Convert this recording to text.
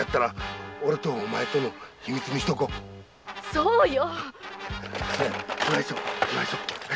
そうよ！